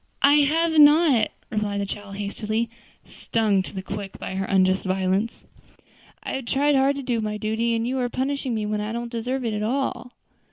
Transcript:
"I have not," replied the child hastily, stung to the quick by her unjust violence. "I have tried hard to do my duty, and you are punishing me when I don't deserve it at all."